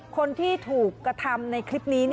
คนที่ถูกกระทำในคลิปนี้